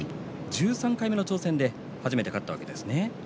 １３回目の挑戦で初めて勝ったわけですね。